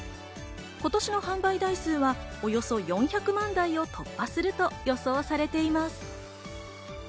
今年の販売台数はおよそ４００万台を突破すると予想されています。